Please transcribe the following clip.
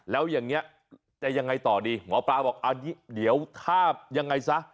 แล้วอย่างนี้จะยังไงต่อดีหมอปลาบอกอันนี้เดี๋ยวถ้ายังไงซะ